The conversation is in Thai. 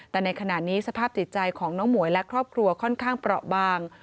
แต่ในขณะนี้สภาพจิตใจของน้องหมวยและครอบครัวค่อนข้างเปราะบาง